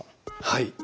はい。